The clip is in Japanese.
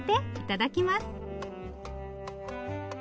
はいいただきます。